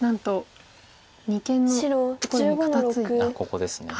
ここですね。